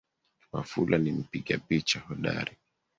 Wafula ni mpiga picha hodari